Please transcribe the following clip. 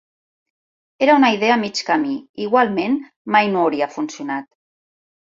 Era una idea a mig camí, igualment mai no hauria funcionat.